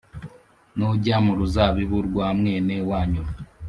Nujya mu ruzabibu rwa mwene wanyu